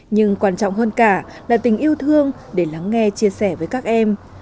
nhưng quan trọng hơn cả là tình yêu thương để lắng nghe chia sẻ với các em